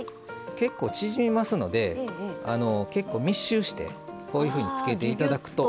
結構縮みますので結構密集してこういうふうにつけて頂くと。